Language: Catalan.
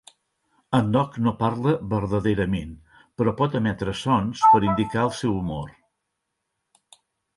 En Dog no parla verdaderament però pot emetre sons per indicar el seu humor.